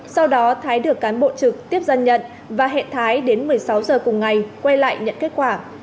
sau đó thái được cán bộ trực tiếp dân nhận và hẹn thái đến một mươi sáu giờ cùng ngày quay lại nhận kết quả